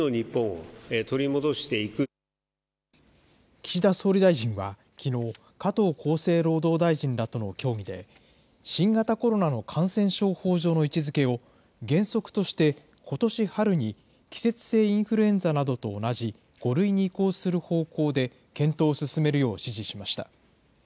岸田総理大臣はきのう、加藤厚生労働大臣らとの協議で、新型コロナの感染症法上の位置づけを、原則としてことし春に季節性インフルエンザなどと同じ５類に移行する方向で検討を進めるよう指示しました。